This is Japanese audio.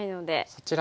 そちら